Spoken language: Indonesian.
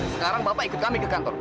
sekarang bapak ikut kami ke kantor